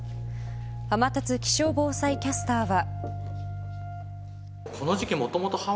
天達気象防災キャスターは。